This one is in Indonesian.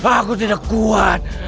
aku tidak kuat